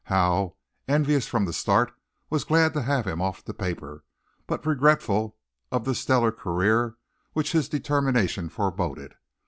Howe, envious from the start, was glad to have him off the paper, but regretful of the stellar career which his determination foreboded.